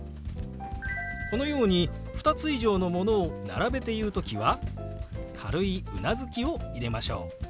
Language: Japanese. このように２つ以上のものを並べて言う時は軽いうなずきを入れましょう。